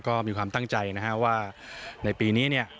ก็มีความตั้งใจนะฮะว่าในปีนี้เนี่ย